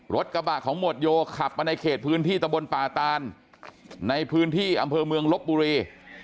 รถกระบะของหมวดโยขับมาในเขตพื้นที่ตะบนป่าตานในพื้นที่อำเภอเมืองลบบุรี